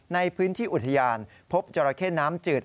ในพื้นที่อุทยานพบจราเข้น้ำจืด